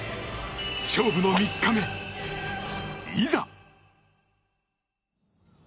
勝負の３日目、いざ。